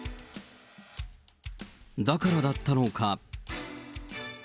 だからだったのか。